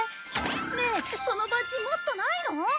ねえそのバッジもっとないの？